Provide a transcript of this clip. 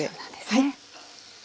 はい。